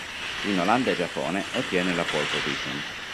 In Olanda e Giappone ottiene la pole position.